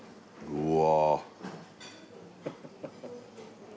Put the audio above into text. うわ